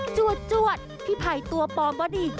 จวดพี่ไพ่ตัวปลอมบ้อนอีก